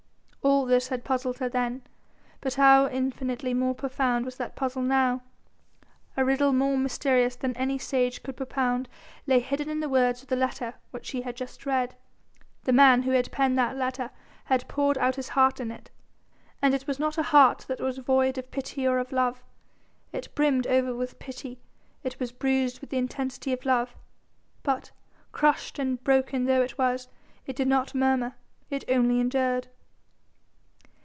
All this had puzzled her then, but how infinitely more profound was that puzzle now. A riddle more mysterious than any sage could propound lay hidden in the words of the letter which she had just read. The man who had penned that letter had poured out his heart in it, and it was not a heart that was void of pity or of love. It brimmed over with pity, it was bruised with the intensity of love: but, crushed and broken though it was, it did not murmur, it only endured.